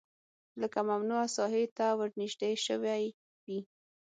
لکه ممنوعه ساحې ته ورنژدې شوی وي